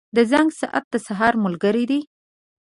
• د زنګ ساعت د سهار ملګری دی.